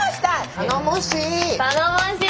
頼もしい！